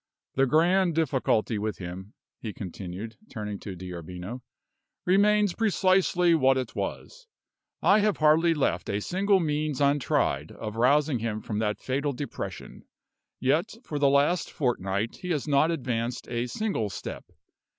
"The grand difficulty with him," he continued, turning to D'Arbino, "remains precisely what it was. I have hardly left a single means untried of rousing him from that fatal depression; yet, for the last fortnight, he has not advanced a single step.